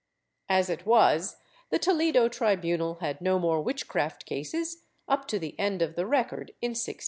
As it was, the Toledo tribunal had no more witchcraft cases up to the end of the record in 1610.'